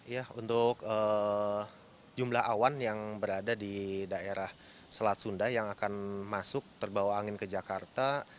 ya untuk jumlah awan yang berada di daerah selat sunda yang akan masuk terbawa angin ke jakarta